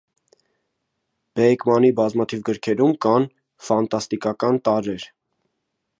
Բեեկմանի բազմաթիվ գրքերում կան ֆանտաստիկական տարրեր։